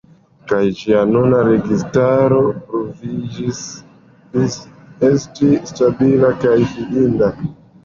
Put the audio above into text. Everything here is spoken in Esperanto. Kaj ĝia nuna registaro pruviĝis esti stabila kaj fidinda.